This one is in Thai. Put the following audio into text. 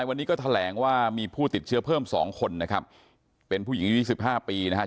วันนี้ก็แถลงว่ามีผู้ติดเชื้อเพิ่ม๒คนเป็นผู้หญิง๒๕ปีนะครับ